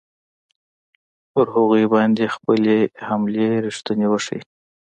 پر هغوی باندې خپلې حملې ریښتوني وښیي.